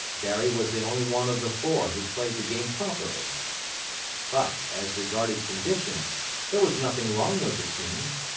Barry was the only one of the four who played the game properly. But, as regarded condition, there was nothing wrong with the team.